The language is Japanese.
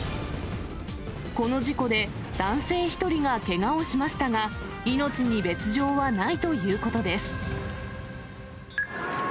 この事故で、男性１人がけがをしましたが、命に別状はないということです。